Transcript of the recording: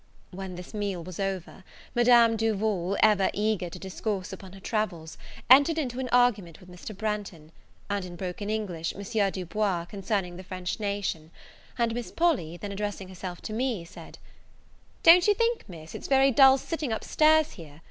When this meal was over, Madame Duval, ever eager to discourse upon her travels, entered into an argument with Mr. Branghton, and, in broken English, M. Du Bois, concerning the French nation: and Miss Polly, then addressing herself to me, said "Don't you think, Miss, it's very dull sitting up stairs here?